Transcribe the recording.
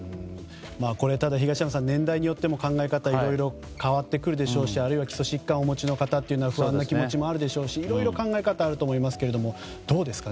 ただ東山さん年代によっても考え方いろいろ変わってくるでしょうしあるいは基礎疾患をお持ちの方は不安な気持ちもあるでしょうしいろいろ考え方があると思いますがどうですかね